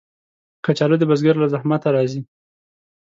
کچالو د بزګر له زحمته راځي